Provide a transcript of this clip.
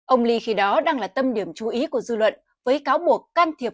ông lee khi đó đang là tâm điểm chú ý của dư luận với cáo buộc can thiệp